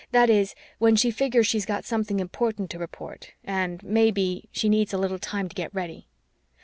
That is, when she figures she's got something important to report, and maybe she needs a little time to get ready.